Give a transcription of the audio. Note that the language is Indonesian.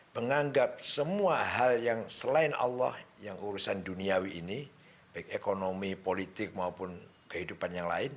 menganggap semua hal yang selain allah yang urusan duniawi ini baik ekonomi politik maupun kehidupan yang lain